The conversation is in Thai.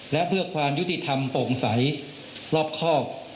และเพื่อความยุติธรรมโปร่งใสรอบครอบ